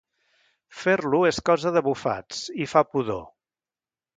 Fer-lo és cosa de bufats, i fa pudor.